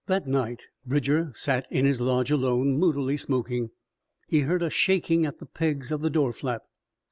That night Bridger sat in his lodge alone, moodily smoking. He heard a shaking at the pegs of the door flap.